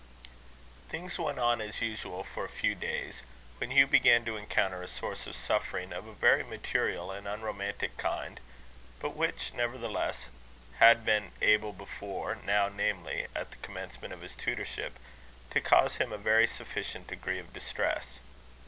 Things went on as usual for a few days, when Hugh began to encounter a source of suffering of a very material and unromantic kind, but which, nevertheless, had been able before now, namely, at the commencement of his tutorship, to cause him a very sufficient degree of distress.